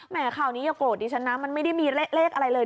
ข่าวนี้อย่าโกรธดิฉันนะมันไม่ได้มีเลขอะไรเลย